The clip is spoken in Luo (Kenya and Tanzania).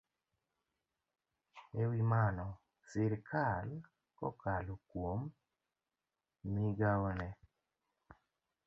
E wi mano, sirkal kokalo kuom migawone